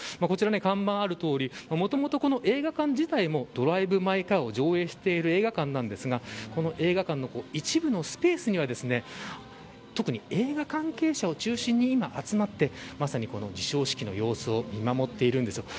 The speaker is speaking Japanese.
こちら看板があるとおりもともと、この映画館自体もドライブ・マイ・カーを上映している映画館なんですがこの映画館の一部のスペースには特に、映画関係者を中心に今、集まってまさに、授賞式の様子を見守っているんです。